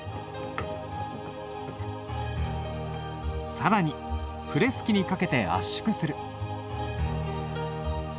更にプレス機にかけて圧縮する。